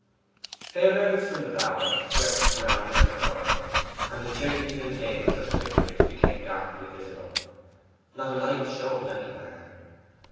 They emerged from the bower, swept round in a curve, and the chimneys and gables of the vicarage became darkly visible. Not a light showed anywhere.